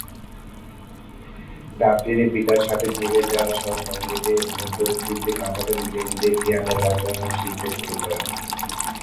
ডাবলিনে পিতার সাথে থেকে যাওয়া শ সঙ্গীতের অনুপস্থিতি কাটাতে নিজে নিজেই পিয়ানো বাজানো শিখতে শুরু করেন।